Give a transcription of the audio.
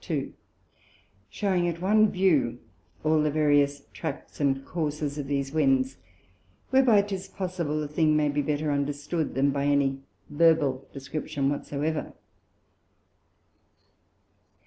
_) shewing at one view all the various Tracts and Courses of these Winds; whereby 'tis possible the thing may be better understood, than by any verbal Description whatsoever.